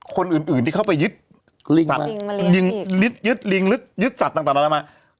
คนอื่นที่เข้าไปยึดลิงหรือยึดสัตว์ต่างนานามา